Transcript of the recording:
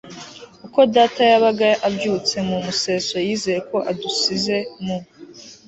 uko data yabaga abyutse mu museso yizeye ko adusize mu